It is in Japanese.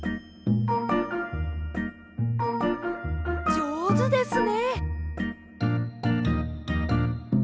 じょうずですね。